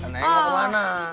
neng gak kemana